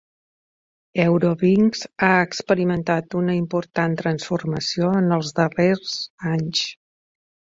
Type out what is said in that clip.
Eurowings ha experimentat una important transformació en els darrers anys.